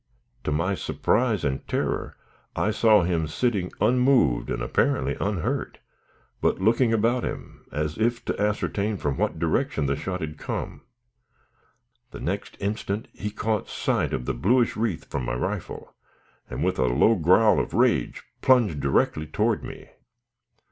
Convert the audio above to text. To my surprise and terror, I saw him sitting unmoved and apparently unhurt, but looking about him, as if to ascertain from what direction the shot had come. The next instant he caught sight of the bluish wreath from my rifle, and with a low growl of rage plunged directly toward me.